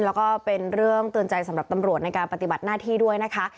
แล้วก็เป็นเรื่องเตือนใจสำหรับตำรวจในการปฏิบัติหน้าที่ด้วยนะคะ